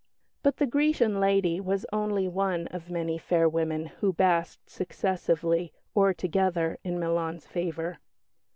But the Grecian lady was only one of many fair women who basked successively (or together) in Milan's favour.